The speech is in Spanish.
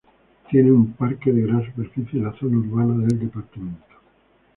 Tiene un parque de gran superficie en la zona urbana del departamento.